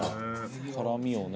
辛みをね。